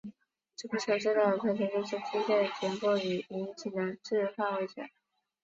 这部车最大的特征就是机械结构与引擎的置放位子。